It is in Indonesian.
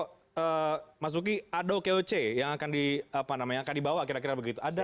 mas eko mas duki ada oke oce yang akan dibawa kira kira begitu